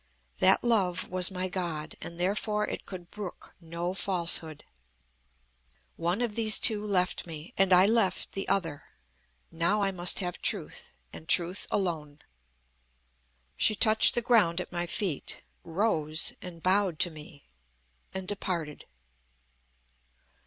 That love was my God, and therefore it could brook no falsehood. One of these two left me, and I left the other. Now I must have truth, and truth alone." She touched the ground at my feet, rose and bowed to me, and departed.